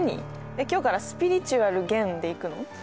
今日からスピリチュアル玄でいくの？